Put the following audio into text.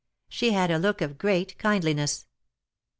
She had a look of great kindliness.